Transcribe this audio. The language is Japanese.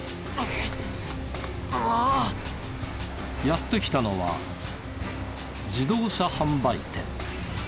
やって来たのは自動車販売店。